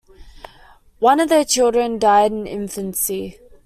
One of their children died in infancy.